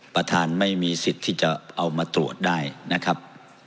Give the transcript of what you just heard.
ไม่มีสิทธิ์ที่จะเอามาตรวจได้นะครับ